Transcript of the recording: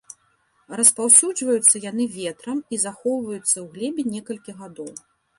Распаўсюджваюцца яны ветрам і захоўваюцца ў глебе некалькі гадоў.